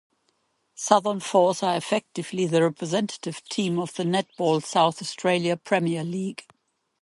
Southern Force are effectively the representative team of the Netball South Australia Premier League.